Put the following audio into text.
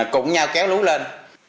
cũng nhau kéo lú lên